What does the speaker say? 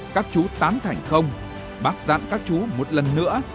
các chú tán thành không bác dặn các chú một lần nữa